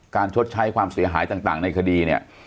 ชดใช้ความเสียหายต่างในคดีเนี่ย